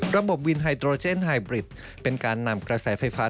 ระบบวินไฮโตรเจนไฮบริดเป็นการนำกระแสไฟฟ้า